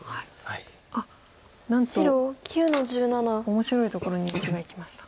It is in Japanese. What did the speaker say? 面白いところに石がいきました。